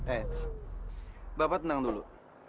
eh bapak tenang dulu